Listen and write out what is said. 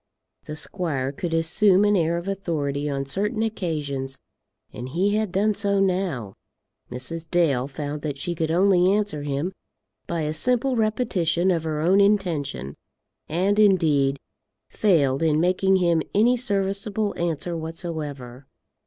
"] The squire could assume an air of authority on certain occasions, and he had done so now. Mrs. Dale found that she could only answer him by a simple repetition of her own intention; and, indeed, failed in making him any serviceable answer whatsoever.